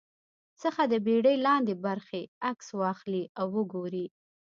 څخه د بېړۍ لاندې برخې عکس واخلي او وګوري